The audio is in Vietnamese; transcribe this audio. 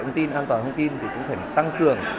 an toàn thông tin cũng cần tăng cường